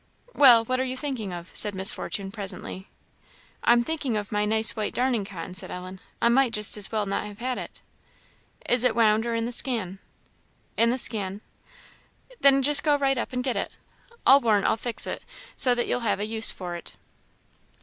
"Well, what are you thinking of?" said Miss Fortune, presently. "I'm thinking of my nice white darning cotton," said Ellen. "I might just as well not have had it." "Is it wound, or in the skein?" "In the skein." "Then just go right up and get it. I'll warrant I'll fix it so that you'll have a use for it."